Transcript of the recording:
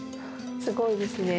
すごいですね。